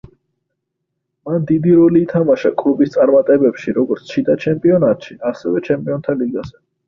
მან დიდი როლი ითამაშა კლუბის წარმატებებში როგორც შიდა ჩემპიონატში, ასევე ჩემპიონთა ლიგაზე.